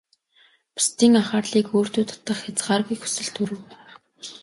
Бусдын анхаарлыг өөртөө татах хязгааргүй хүсэл төрөв.